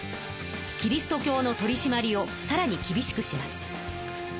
キリスト教の取りしまりをさらにきびしくします。